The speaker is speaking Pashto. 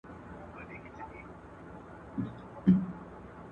مينه وښيه!.